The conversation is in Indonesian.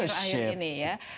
akhir akhir ini ya